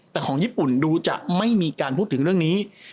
แต่ของญี่ปุ่นดูจะไม่มีการพูดถึงเรื่องนี้